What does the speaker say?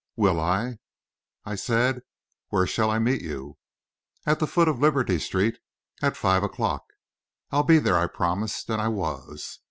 "Will I!" I said. "Where shall I meet you?" "At the foot of Liberty Street, at five o'clock." "I'll be there," I promised. And I was.